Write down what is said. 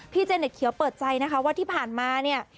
เจเน็ตเขียวเปิดใจนะคะว่าที่ผ่านมาเนี่ย